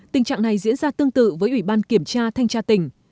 tình trạng này diễn ra tương tự với ủy ban kiểm tra thanh tra tỉnh